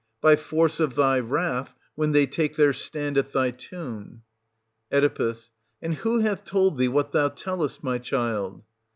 By force of thy wrath, when they take their stand at thy tomb. Oe. And who hath told thee what thou tellest, my child